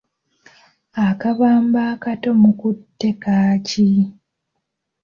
Akabamba akato mukutte kaaki?